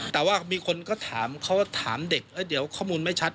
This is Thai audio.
แต่ว่ามีคนก็ถามเขาถามเด็กแล้วเดี๋ยวข้อมูลไม่ชัด